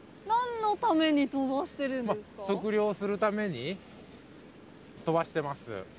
なんのために飛ばしてるんで測量するために飛ばしてます。